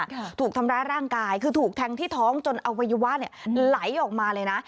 ถูกทำร้ายร่างกายคือถูกแทงที่ท้องจนอวัยวะเนี้ยไหลออกมาเลยนะ